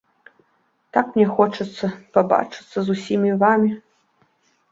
Так мне хочацца пабачыцца з усімі вамі.